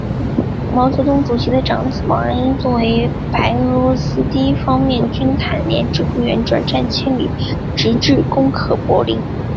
毛泽东主席的长子毛岸英作为白俄罗斯第一方面军坦克连指导员，转战千里，直至攻克柏林。